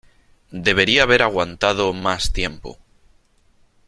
Debería haber aguantado más tiempo .